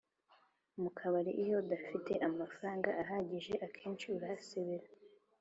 Mukabari iyo udafite amafaranga ahagije akenshi urahasebera